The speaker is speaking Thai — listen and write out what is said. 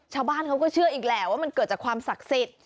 ชาวบ้านเขาก็เชื่ออีกแหละว่ามันเกิดจากความศักดิ์สิทธิ์